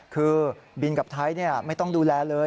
คือบินกับไทยไม่ต้องดูแลเลย